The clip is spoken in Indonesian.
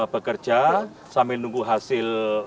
bekerja sambil nunggu hasil